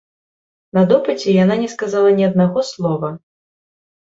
На допыце яна не сказала ні аднаго слова.